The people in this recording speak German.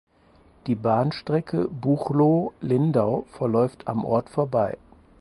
Die Bahnstrecke Buchloe–Lindau verläuft am Ort vorbei.